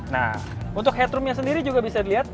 nah untuk headroom nya sendiri juga bisa dilihat